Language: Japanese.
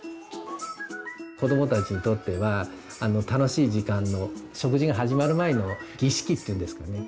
子どもたちにとっては楽しい時間の食事が始まる前の儀式っていうんですかね。